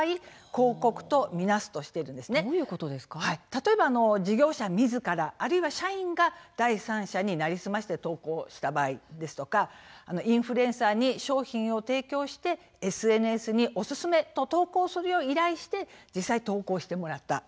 例えば事業者自らあるいは社員が第三者に成り済まして投稿した場合ですとかインフルエンサーに商品を提供してＳＮＳに「おすすめ！」と投稿するよう依頼して実際投稿してもらった。